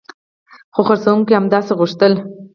خو پیرودونکي همداسې غوښتل